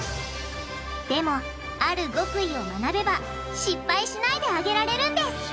でもある極意を学べば失敗しないで揚げられるんです！